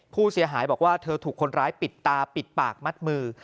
ผู้เสียหายบอกว่าเธอถูกคนร้ายปิดตาปิดปากมัดมือ